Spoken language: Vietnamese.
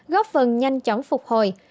góp phần nhanh chóng phục hồi